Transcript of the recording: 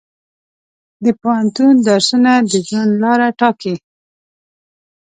د پوهنتون درسونه د ژوند لاره ټاکي.